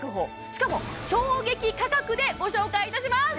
しかも衝撃価格でご紹介いたします！